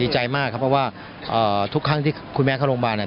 ใจมากครับเพราะว่าทุกครั้งที่คุณแม่เข้าโรงพยาบาลเนี่ย